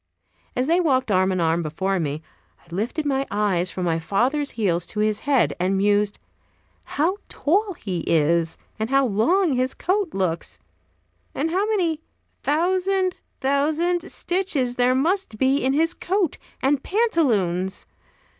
As they walked arm in arm before me, I lifted my eyes from my father's heels to his head, and mused: "How tall he is! and how long his coat looks! and how many thousand, thousand stitches there must be in his coat and pantaloons!